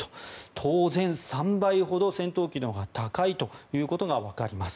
当然、３倍ほど戦闘機のほうが高いということが分かります。